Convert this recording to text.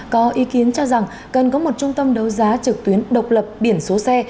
có ý kiến cho rằng cần có một trung tâm đấu giá trực tuyến độc lập biển số xe